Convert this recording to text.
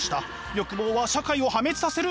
欲望は社会を破滅させる！